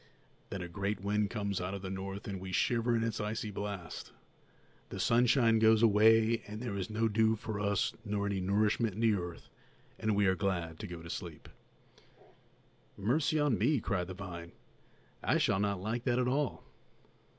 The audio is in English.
Then a great wind comes out of the north, and we shiver in its icy blast. The sunshine goes away, and there is no dew for us nor any nourishment in the earth, and we are glad to go to sleep." "Mercy on me!" cried the vine, "I shall not like that at all!